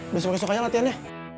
udah semak semak aja latihannya